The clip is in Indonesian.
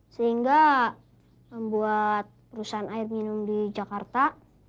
sehingga membuat perusahaan air minum di jakarta